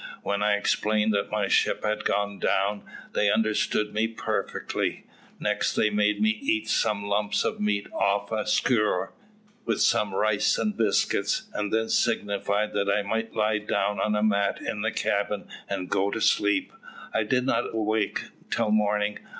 When I explained that my ship had gone down, they understood me perfectly. Next they made me eat some lumps of meat off a skewer, with some rice and biscuit, and then signified that I might lie down on a mat in the cabin and go to sleep. I did not awake till morning.